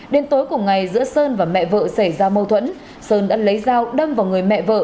đến tối cùng ngày giữa sơn và mẹ vợ xảy ra mâu thuẫn sơn đã lấy dao đâm vào người mẹ vợ